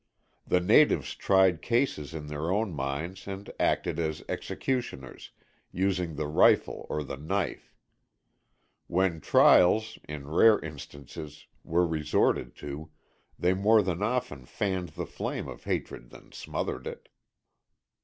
The natives tried cases in their own minds and acted as executioners, using the rifle or the knife. When trials, in rare instances, were resorted to, they more often fanned the flame of hatred than smothered it.